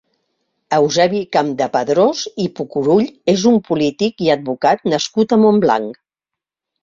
Eusebi Campdepadrós i Pucurull és un polític i advocat nascut a Montblanc.